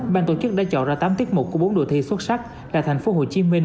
bàn tổ chức đã chọn ra tám tiết mục của bốn đội thi xuất sắc là tp hcm